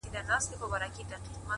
زما وطن هم لکه غښتلی چنار،